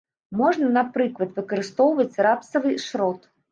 Можна, напрыклад, выкарыстоўваць рапсавы шрот.